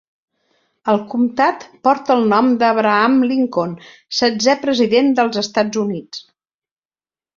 El comtat porta el nom d'Abraham Lincoln, setzè president dels Estats Units.